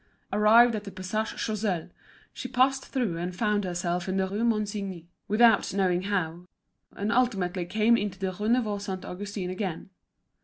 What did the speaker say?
Arrived at the Passage Choiseul, she passed through, and found herself in the Rue Monsigny, without knowing how, and ultimately came into the Rue Neuve Saint Augustin again.